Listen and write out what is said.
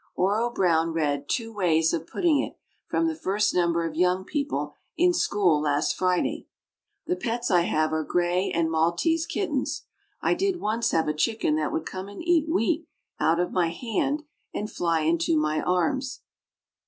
Oro Brown read "Two Ways of Putting It," from the first number of Young People, in school last Friday. The pets I have are gray and Maltese kittens. I did once have a chicken that would come and eat wheat out of my hand, and fly into my arms.